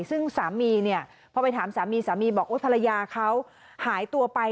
ซึ่งสามีเนี่ยพอไปถามสามีสามีบอกภรรยาเขาหายตัวไป